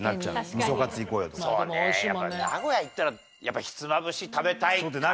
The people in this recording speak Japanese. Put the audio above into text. やっぱ名古屋行ったらやっぱひつまぶし食べたいかな。